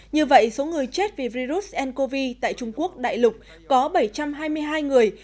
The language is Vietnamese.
như vậy số người chết vì virus ncov tại trung quốc đại lục có bảy trăm hai mươi hai người